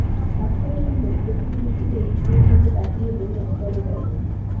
আফসার সাহেব কঠিন দৃষ্টিতে স্ত্রীর দিকে তাকিয়ে বললেন, চল যাই।